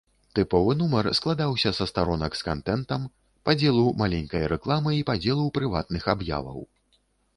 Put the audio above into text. Тыповы нумар складаўся са старонак з кантэнтам, падзелу маленькай рэкламы і падзелу прыватных аб'яваў.